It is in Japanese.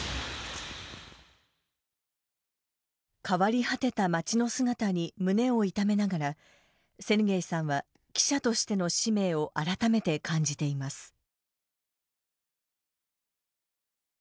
変わり果てた街の姿に胸を痛めながらセルゲイさんは、記者としての使命を改めて感じています。